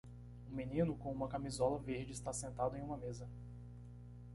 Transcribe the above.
Um menino com uma camisola verde está sentado em uma mesa.